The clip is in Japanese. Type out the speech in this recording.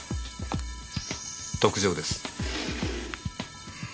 特上です。